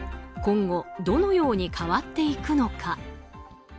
今後、どのように変わっていくのか。